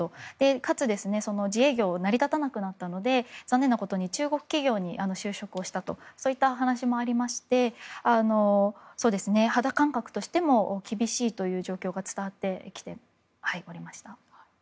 かつ、自営業が成り立たなくなったので残念なことに中国企業に就職したという話もありまして肌感覚としても厳しい状況が伝わってきております。